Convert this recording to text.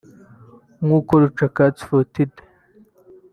nk’uko Rucakatsi Fotide